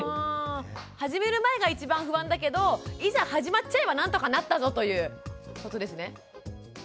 始める前が一番不安だけどいざ始まっちゃえば何とかなったぞということですね。